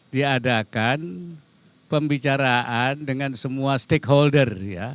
diadakan pembicaraan dengan semua stakeholder